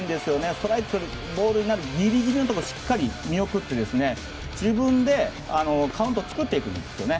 ストライクからボールになるギリギリのところしっかり見送って自分でカウントを作っていくんですね。